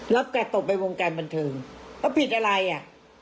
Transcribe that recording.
แล้วก็เอาไปวงการบรรเทิงพักผิดอะไรอ่ะ